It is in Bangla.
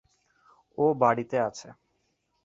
ও বাড়িতে আছে।